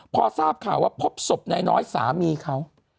พอทราบข่าวว่าพบศพนายน้อยสามีเขา